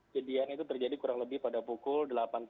kejadian itu terjadi kurang lebih pada pukul delapan tiga puluh